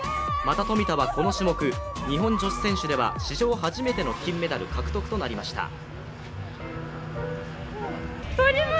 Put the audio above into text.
また冨田は、この種目日本女子選手では史上初めての金メダル獲得となりました。